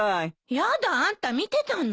やだあんた見てたの？